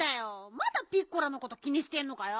まだピッコラのこと気にしてんのかよ。